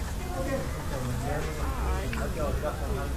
夫妇俩育有两儿一女。